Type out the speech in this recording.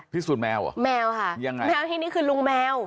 สูจนแมวเหรอแมวค่ะยังไงแมวที่นี่คือลุงแมว